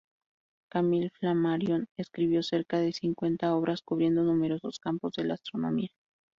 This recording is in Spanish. Camille Flammarion escribió cerca de cincuenta obras cubriendo numerosos campos de la astronomía.